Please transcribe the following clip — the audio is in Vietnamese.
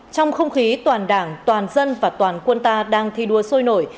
trong không khí toàn đảng toàn dân và toàn quân ta đang thi đua sôi nổi